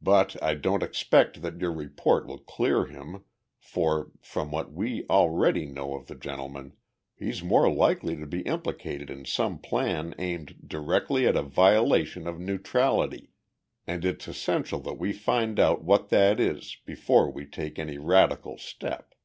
But I don't expect that your report will clear him, for, from what we already know of the gentleman, he's more likely to be implicated in some plan aimed directly at a violation of neutrality, and it's essential that we find out what that is before we take any radical step."